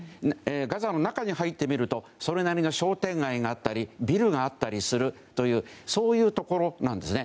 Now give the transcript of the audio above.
ガザの中に入ってみるとそれなりの商店街があったりビルがあったりするというところなんですね。